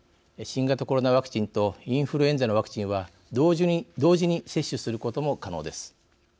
新型コロナワクチンとインフルエンザのワクチンは同時に接種することも可能です。